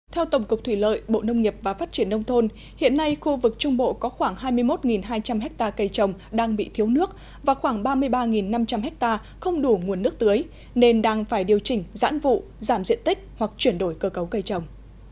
theo tổng cục thủy lợi bộ nông nghiệp và phát triển nông thôn hiện nay khu vực trung bộ có khoảng hai mươi một hai trăm linh hectare cây trồng đang bị thiếu nước và khoảng ba mươi ba năm trăm linh ha không đủ nguồn nước tưới nên đang phải điều chỉnh giãn vụ giảm diện tích hoặc chuyển đổi cơ cấu cây trồng